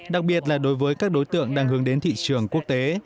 đặc biệt là đối với các đối tượng đang hướng đến thị trường quốc tế